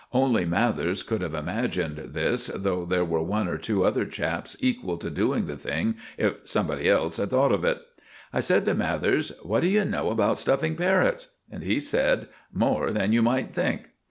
Only Mathers could have imagined this, though there were one or two other chaps equal to doing the thing if somebody else had thought of it. I said to Mathers, "What do you know about stuffing parrots?" And he said, "More than you might think."